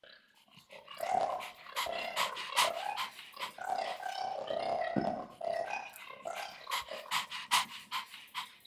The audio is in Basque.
Oraindik oso argi ez badugu, gazteen artean modan dauden pertsonaiak aukera ditzakegu.